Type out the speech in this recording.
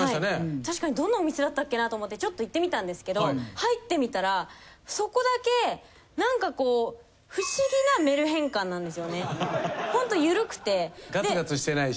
確かにどんなお店だったっけなと思ってちょっと行ってみたんですけど入ってみたらそこだけなんかこうガツガツしてないし。